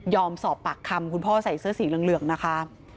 สอบปากคำคุณพ่อใส่เสื้อสีเหลืองนะคะ